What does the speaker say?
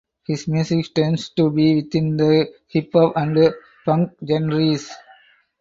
His music tends to be within the hip hop and punk genres.